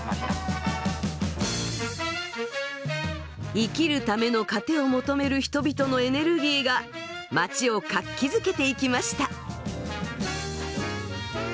生きるための糧を求める人々のエネルギーが街を活気づけていきました。